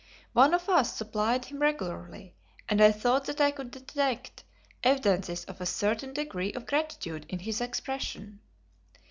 One of us supplied him regularly and I thought that I could detect evidences of a certain degree of gratitude in his expression.